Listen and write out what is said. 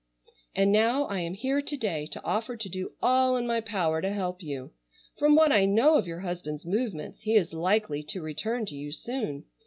"And now I am here to day to offer to do all in my power to help you. From what I know of your husband's movements, he is likely to return to you soon.